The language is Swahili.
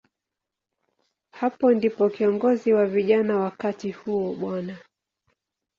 Hapo ndipo kiongozi wa vijana wakati huo, Bw.